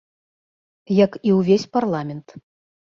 Як і ўвесь парламент.